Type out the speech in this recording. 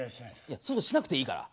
そういうのしなくていいから。